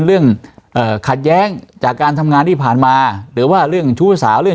เรื่องขัดแย้งจากการทำงานที่ผ่านมาหรือว่าเรื่องชู้สาวเรื่อง